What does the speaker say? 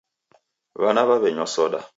W'ana w'aw'enywa soda